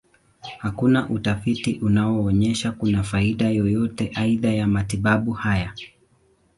Hakuna utafiti unaonyesha kuna faida yoyote aidha ya matibabu haya.